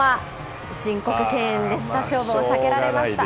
ここは申告敬遠でした、勝負を避けられました。